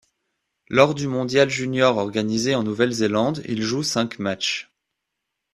Lors du mondial junior organisé en Nouvelle-Zélande, il joue cinq matchs.